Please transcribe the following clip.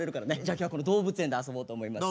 今日はこの動物園で遊ぼうと思います。